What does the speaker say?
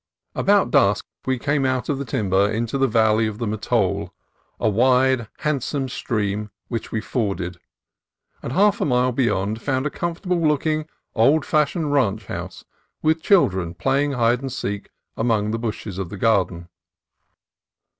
About dusk we came out of the timber into the valley of the Mattole, a wide, handsome stream, which we forded ; and half a mile beyond found a comfortable looking, old fashioned ranch house, with children playing hide and seek among the bushes of the garden.